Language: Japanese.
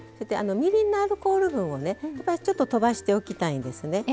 みりんのアルコール分をちょっととばしておきたいんですね。